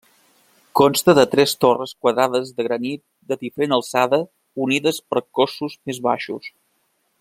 Consta de tres torres quadrades de granit de diferent alçada unides per cossos més baixos.